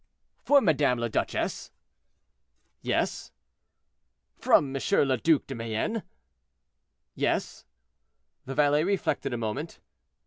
"For Madame la Duchesse?" "Yes." "From M. le Duc de Mayenne?" "Yes." The valet reflected a moment.